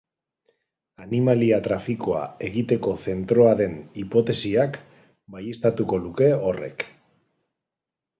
Animalia-trafikoa egiteko zentroa den hipotesiak baieztatuko luke horrek.